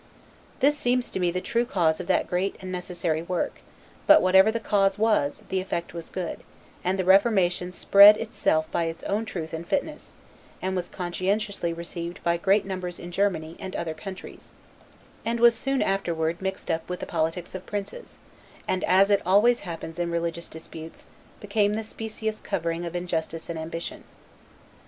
This seems to me the true cause of that great and necessary, work; but whatever the cause was, the effect was good; and the Reformation spread itself by its own truth and fitness; was conscientiously received by great numbers in Germany, and other countries; and was soon afterward mixed up with the politics of princes; and, as it always happens in religious disputes, became the specious covering of injustice and ambition.